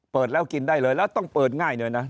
เปิดแล้วกินได้เลยแล้วต้องเปิดง่ายเลยนะ